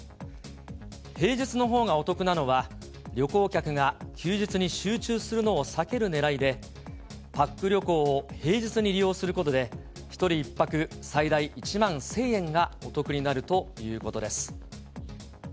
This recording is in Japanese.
平日のほうがお得なのは、旅行客が休日に集中するのを避けるねらいで、パック旅行を平日に利用することで、１人１泊最大１万１０００円がお得になるということです。